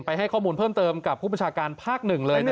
ให้ข้อมูลเพิ่มเติมกับผู้ประชาการภาคหนึ่งเลย